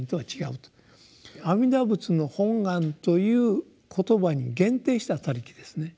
「阿弥陀仏の本願」という言葉に限定した「他力」ですね。